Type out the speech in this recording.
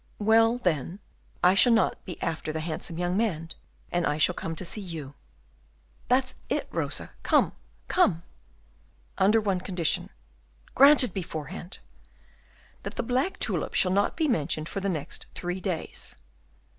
"Well, then, I shall not be after the handsome young man, and I shall come to see you." "That's it, Rosa, come! come!" "Under one condition." "Granted beforehand!" "That the black tulip shall not be mentioned for the next three days."